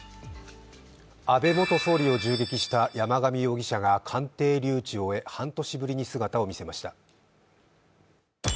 安倍元総理を銃撃した山上徹也容疑者が鑑定留置を終え半年ぶりに姿を見せました。